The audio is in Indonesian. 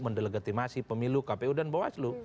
mendelegitimasi pemilu kpu dan bawaslu